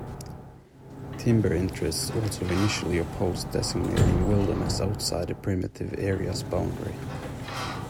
Timber interests also initially opposed designating wilderness outside the primitive area's boundary.